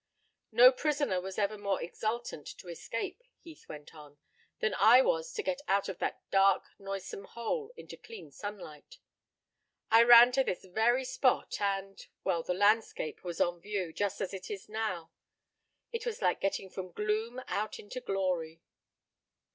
"No prisoner was ever more exultant to escape," Heath went on, "than I was to get out of that dark, noisome hole into clean sunlight. I ran to this very spot, and well, the landscape was on view, just as it is now. It was like getting from gloom out into glory."